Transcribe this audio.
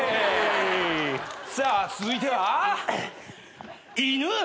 さあ続いては犬。